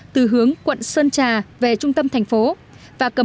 từ hướng quận sơn trà về trung tâm thành phố